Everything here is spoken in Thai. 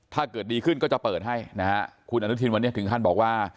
ถ้าเกิดดีขึ้นก็จะเปิดให้ฮูนอนุทินวันนี้ถึงท่านบอกว่า